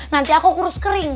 nanti aku kurus kering